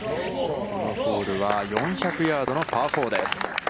このホールは４００ヤードのパー４です。